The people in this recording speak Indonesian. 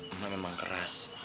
emak memang keras